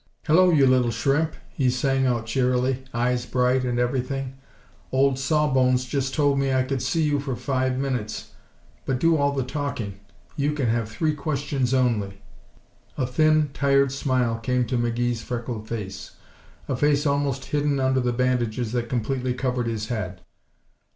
"Hello, you little shrimp!" he sang out cheerily. "Eyes bright and everything! Old Saw Bones just told me I could see you for five minutes but to do all the talking. You can have three questions only." A thin, tired smile came to McGee's freckled face, a face almost hidden under the bandages that completely covered his head.